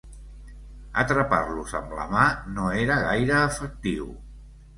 Atrapar-los amb la mà no era gaire efectiu.